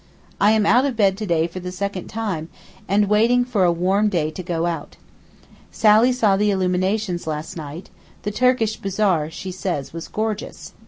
I am out of bed to day for the second time, and waiting for a warm day to go out. Sally saw the illuminations last night; the Turkish bazaar she says was gorgeous.